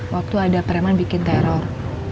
waktu ada preman bikin teror